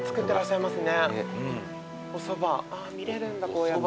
見れるんだこうやって。